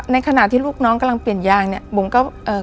ในขณะที่ลูกน้องกำลังเปลี่ยนยางเนี่ย